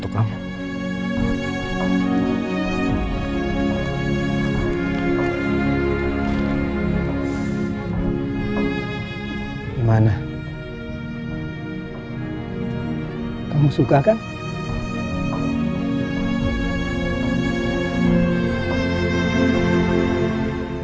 kamu suka kan